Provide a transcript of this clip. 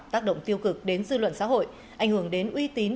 tác động tiêu cực đến dư luận xã hội ảnh hưởng đến uy tín